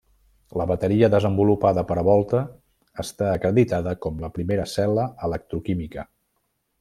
La bateria desenvolupada per Volta està acreditada com la primera cel·la electroquímica.